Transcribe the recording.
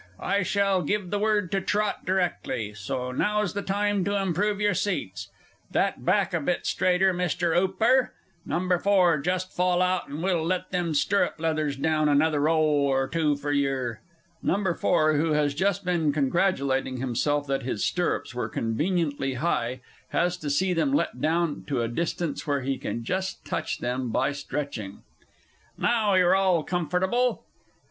I shall give the word to trot directly, so now's the time to improve your seats that back a bit straighter, Mr. 'Ooper. No. 4 just fall out, and we'll let them stirrup leathers down another 'ole or two for yer. (_No. 4, who has just been congratulating himself that his stirrups were conveniently high, has to see them let down to a distance where he can just touch them by stretching._) Now you're all comfortable.